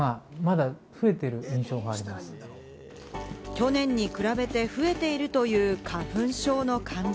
去年に比べて増えているという、花粉症の患者。